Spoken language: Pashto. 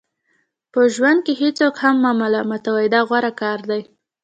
په ژوند کې هیڅوک هم مه ملامتوئ دا غوره کار دی.